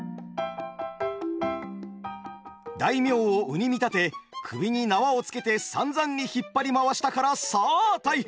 大名を鵜に見立て首に縄をつけてさんざんに引っ張り回したからさあ大変！